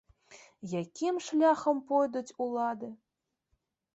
Якім шляхам пойдуць улады?